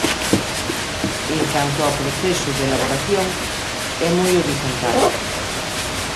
En canto ao proceso de elaboración, é moi horizontal.